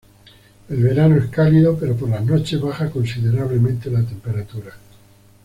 El verano es cálido pero por las noches baja considerablemente la temperatura.